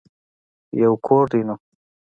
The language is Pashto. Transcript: يو کور دی نو.